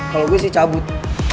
kalau gue sih cabut